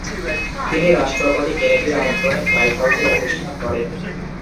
তিনি রাষ্ট্রপতি কেনেডির আমন্ত্রণে হোয়াইট হাউসে অনুষ্ঠান করেন।